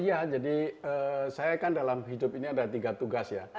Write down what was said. iya jadi saya kan dalam hidup ini ada tiga tugas ya